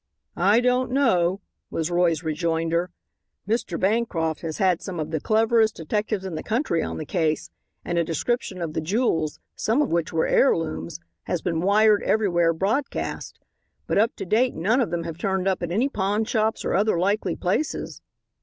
"I don't know," was Roy's rejoinder. "Mr. Bancroft has had some of the cleverest detectives in the country on the case, and a description of the jewels, some of which were heirlooms, has been wired everywhere broadcast. But up to date none of them have turned up at any pawnshops or other likely places."